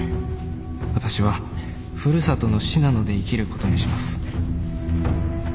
私はふるさとの信濃で生きることにします」。